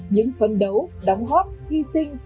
những phần đấu đóng góp hy sinh